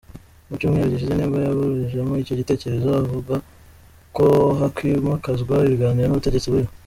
Mu Cyumweru gishize nibwo yaburijemo icyo gitekerezo ivuga ko hakwimakazwa ibiganiro n’ubutegetsi buriho.